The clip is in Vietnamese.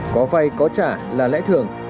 có vay có trả là lẽ thường